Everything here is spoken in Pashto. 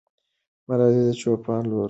ملالۍ د چوپان لور وه.